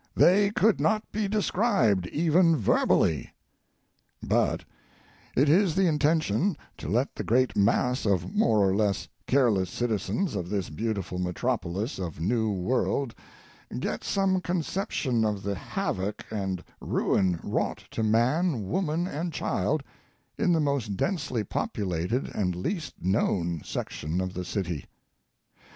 They could not be described, even verbally. But it is the intention to let the great mass of more or less careless citizens of this beautiful metropolis of the New World get some conception of the havoc and ruin wrought to man, woman and child in the most densely populated and least known section of the city.